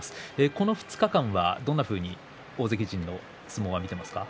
この２日間は、どんなふうに大関陣の相撲は見ていますか？